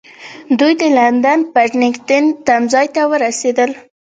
دوی د لندن پډینګټن تمځای ته ورسېدل.